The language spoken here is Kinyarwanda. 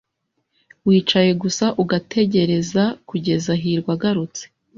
Wicaye gusa ugategereza kugeza hirwa agarutse.